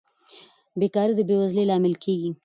بېکاري د بې وزلۍ لامل کیږي.